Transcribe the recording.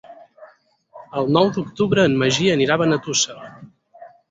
El nou d'octubre en Magí anirà a Benetússer.